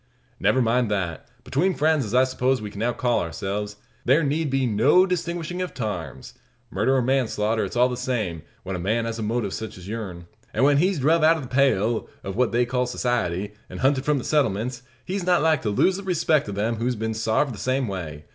"Never mind that. Between friends, as I suppose we can now call ourselves, there need be no nice distinguishin' of tarms. Murder or manslaughter, it's all the same, when a man has a motive sech as yourn. An' when he's druv out o' the pale of what they call society, an' hunted from the settlements, he's not like to lose the respect of them who's been sarved the same way.